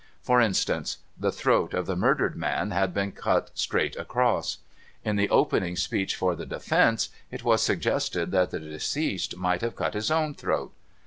For instance : the throat of the murdered man had been cut straight across. In the opening speech for the defence, it was suggested that the deceased might have cut his own throat.